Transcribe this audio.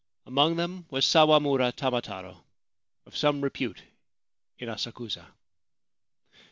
Among them was Sawamura Tamataro, of some repute in Asakusa.